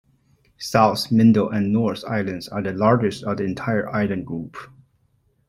South, Middle and North islands are the largest of the entire island group.